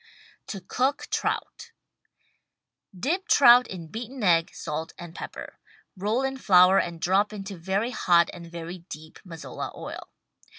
TO COOK TROUT Dip trout in beaten egg, salt and pepper. Roll in flour and drop into very hot and very deep Mazola oil.